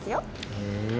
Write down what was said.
へえ。